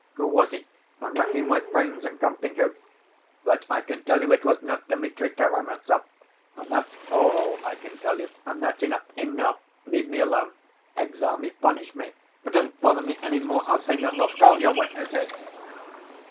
Who was he? I'm racking my brains and can't think who. But I can tell you it was not Dmitri Karamazov, and that's all I can tell you, and that's enough, enough, leave me alone.... Exile me, punish me, but don't bother me any more. I'll say no more. Call your witnesses!"